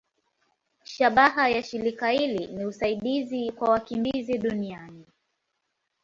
Shabaha ya shirika hili ni usaidizi kwa wakimbizi duniani.